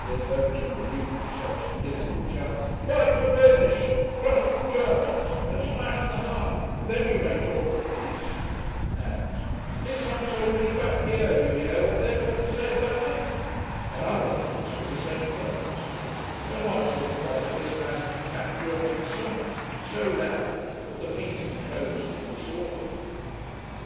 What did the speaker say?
Then those who believed themselves to differ would shout 'Fight to a finish,' and 'Crush all Germans,' and 'Smash the Hun, then you may talk of peace,' and 'Here's some soldiers back here, you hear what they've got to say about it,' and other things to the same purpose; and once or twice they sang patriotic songs so loud that the meeting closed in disorder.